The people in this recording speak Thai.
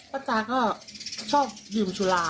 พ่อตาก็ชอบดื่มสุรา